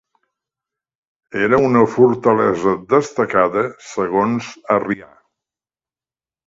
Era una fortalesa destacada, segons Arrià.